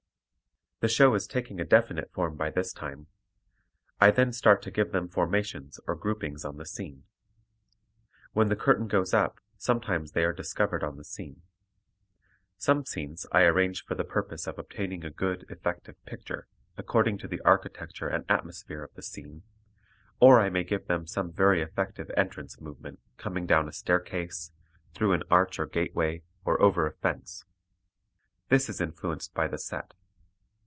The show is taking a definite form by this time. I then start to give them formations or groupings on the scene. When the curtain goes up sometimes they are discovered on the scene. Some scenes I arrange for the purpose of obtaining a good, effective picture, according to the architecture and atmosphere of the scene, or I may give them some very effective entrance movement coming down a staircase, through an arch or gateway, or over a fence. This is influenced by the set.